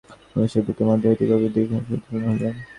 রমেশের বুকের মধ্য হইতে গভীর দীর্ঘনিশ্বাস উত্থিত হইল।